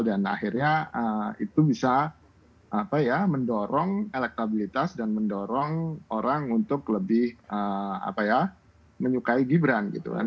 dan akhirnya itu bisa mendorong elektabilitas dan mendorong orang untuk lebih menyukai gibran gitu kan